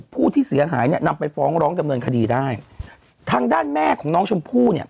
ผู้เสียหายเนี่ยนำไปฟ้องร้องดำเนินคดีได้ทางด้านแม่ของน้องชมพู่เนี่ย